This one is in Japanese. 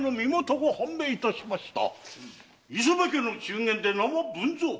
磯部家の中間で名は文蔵。